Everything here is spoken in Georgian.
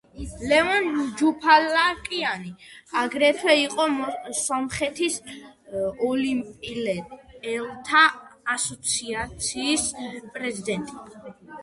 ლევონ ჯუფალაკიანი აგრეთვე იყო სომხეთის ოლიმპიელთა ასოციაციის პრეზიდენტი.